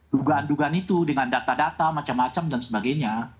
dugaan dugaan itu dengan data data macam macam dan sebagainya